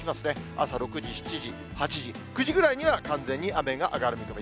朝６時、７時、８時、９時ぐらいには完全に雨が上がる見込み。